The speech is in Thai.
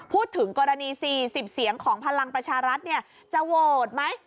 พูดถึงกรณีสี่สิบเสียงของพลังประชารัฐเนี่ยจะโหวตไหม